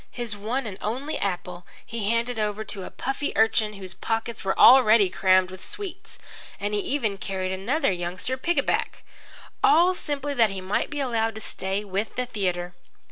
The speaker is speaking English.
His one and only apple he handed over to a puffy urchin whose pockets were already crammed with sweets, and he even carried another youngster pickaback all simply that he might be allowed to stay with the theatre.